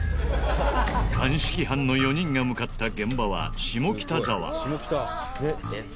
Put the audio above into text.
鑑識班の４人が向かった現場は下北沢。